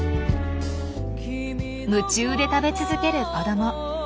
夢中で食べ続ける子ども。